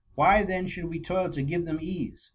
Why then should we toil to give them ease?